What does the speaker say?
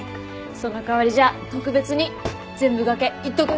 その代わりじゃあ特別に全部がけいっとく？